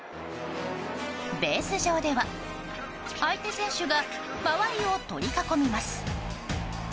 ベース上では相手選手が周りを取り囲みます。